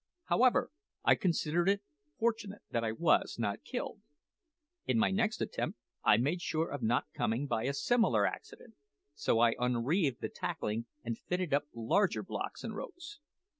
However, I considered it fortunate that I was not killed. In my next attempt I made sure of not coming by a similar accident, so I unreeved the tackling and fitted up larger blocks and ropes.